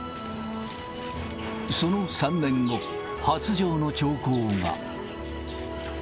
その３年後、発情の兆候が。